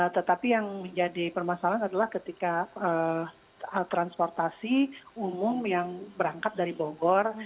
tetapi yang menjadi permasalahan adalah ketika transportasi umum yang berangkat dari bogor